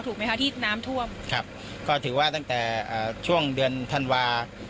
ถูกไหมคะที่น้ำท่วมครับก็ถือว่าตั้งแต่ช่วงเดือนธันวา